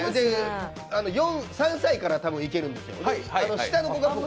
３歳から多分いけるんですよ。